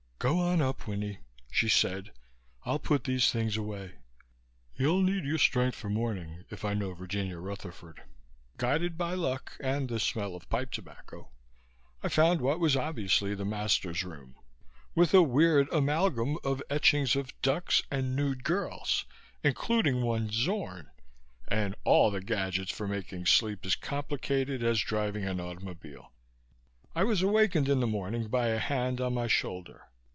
"Go on up, Winnie," she said. "I'll put these things away. You'll need your strength for the morning, if I know Virginia Rutherford." Guided by luck and the smell of pipe tobacco, I found what was obviously the Master's Room with a weird amalgam of etchings of ducks and nude girls, including one Zorn, and all the gadgets for making sleep as complicated as driving an automobile. I was awakened in the morning by a hand on my shoulder.